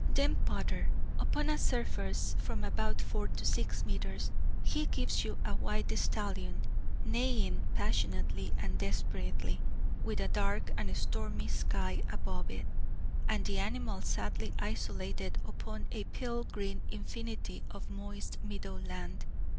Then Potter. Upon a surface from about four to six metres he gives you a white stallion, neighing passionately and desperately, with a dark and stormy sky above it, and the animal sadly isolated upon a pale green infinity of moist meadow land.